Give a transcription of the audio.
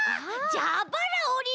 じゃばらおりね！